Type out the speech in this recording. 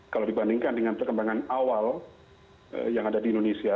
kalau dibandingkan dengan perkembangan awal yang ada di indonesia